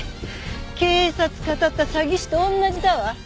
警察かたった詐欺師と同じだわ！